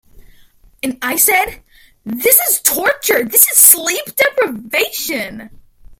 I said, 'This is torture, this is sleep deprivation'.